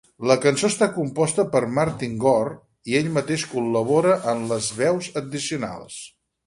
La cançó està composta per Martin Gore i ell mateix col·labora en les veus addicionals.